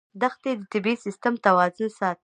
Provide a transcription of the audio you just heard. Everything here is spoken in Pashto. دښتې د طبعي سیسټم توازن ساتي.